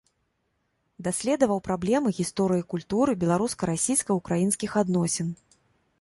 Даследаваў праблемы гісторыі культуры, беларуска-расійска-ўкраінскіх адносін.